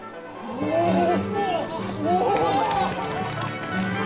おお！